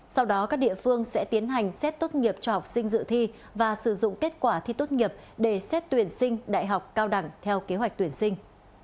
sau đó các địa phương sẽ tiến hành xét tốt nghiệp cho học sinh dự thi và sử dụng kết quả thi tốt nghiệp để xét tuyển sinh đại học cao đẳng theo kế hoạch tuyển sinh